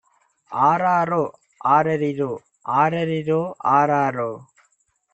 ஆராரோ ஆரரிரோ ஆரரிரோ ஆராரோ!